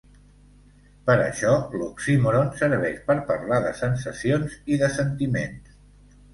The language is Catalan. Per això l'oxímoron serveix per parlar de sensacions i de sentiments.